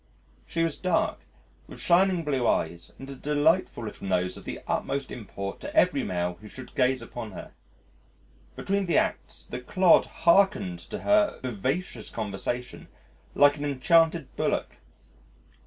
She was dark, with shining blue eyes, and a delightful little nose of the utmost import to every male who should gaze upon her. Between the acts, the clod hearkened to her vivacious conversation like an enchanted bullock.